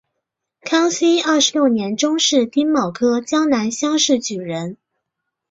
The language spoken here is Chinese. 康熙二十六年中式丁卯科江南乡试举人。